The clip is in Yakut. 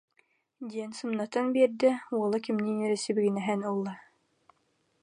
диэн сымнатан биэрдэ, уола кимниин эрэ сибигинэһэн ылла